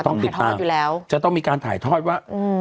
ต้องติดตามอยู่แล้วจะต้องมีการถ่ายทอดว่าอืม